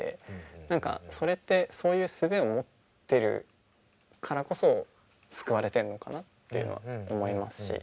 何かそれってそういうすべを持ってるからこそ救われてるのかなっていうのは思いますし。